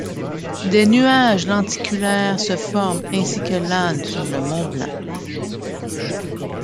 Des nuages lenticulaires se forment ainsi que l'âne sur le mont Blanc.